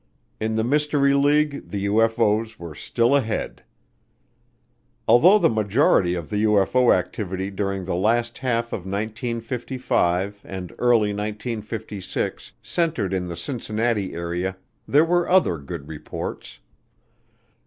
In the mystery league the UFO's were still ahead. Although the majority of the UFO activity during the last half of 1955 and early 1956 centered in the Cincinnati area there were other good reports.